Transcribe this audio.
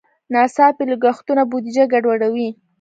ناڅاپي لګښتونه بودیجه ګډوډوي.